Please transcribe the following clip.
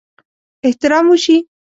احترام وشي.